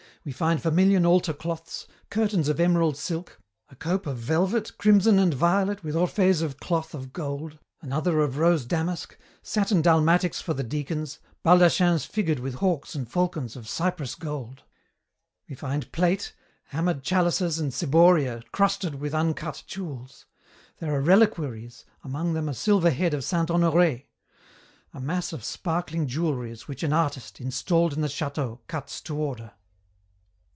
We find vermilion altar cloths, curtains of emerald silk, a cope of velvet, crimson and violet with orpheys of cloth of gold, another of rose damask, satin dalmatics for the deacons, baldachins figured with hawks and falcons of Cyprus gold. We find plate, hammered chalices and ciboria crusted with uncut jewels. There are reliquaries, among them a silver head of Saint Honoré. A mass of sparkling jewelleries which an artist, installed in the château, cuts to order.